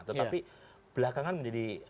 tetapi belakangan menjadi